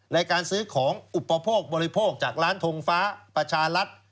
ในการซื้อของอุปโภคบริโภคจากร้านทงฟ้าประชารัฐ